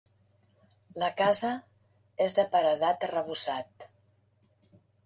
La casa és de paredat arrebossat.